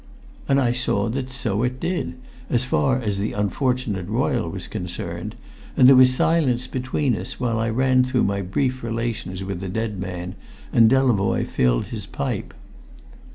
And I saw that so it did, as far as the unfortunate Royle was concerned; and there was silence between us while I ran through my brief relations with the dead man and Delavoye filled his pipe.